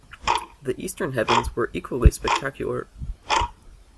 The eastern heavens were equally spectacular.